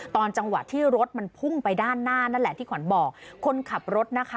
ตอนจังหวะที่รถมันพุ่งไปด้านหน้านั่นแหละที่ขวัญบอกคนขับรถนะคะ